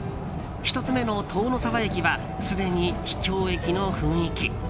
１つ目の塔ノ沢駅はすでに秘境駅の雰囲気。